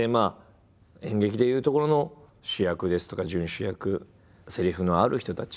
演劇でいうところの主役ですとか準主役せりふのある人たち。